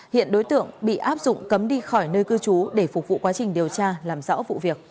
hiện đối tượng bị áp dụng cấm đi khỏi nơi cư trú để phục vụ quá trình điều tra làm rõ vụ việc